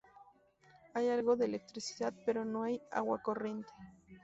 Hay algo de electricidad, pero no hay agua corriente.